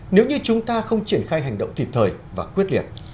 nếu như chúng ta không triển khai hành động kịp thời và quyết liệt